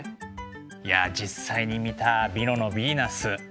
いや実際に見た「ミロのヴィーナス」